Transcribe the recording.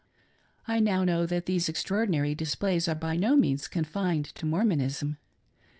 I now know that, these extraordinary displays are by no means confined to Mormonism.